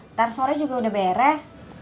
ntar sore juga udah beres